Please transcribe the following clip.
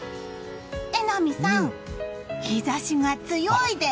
榎並さん、日差しが強いです。